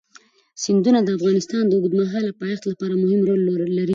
سیندونه د افغانستان د اوږدمهاله پایښت لپاره مهم رول لري.